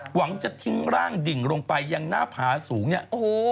หวังจะทิ้งร่างดิ่งลงไปยังหน้าผาสูงเนี่ยโอ้โห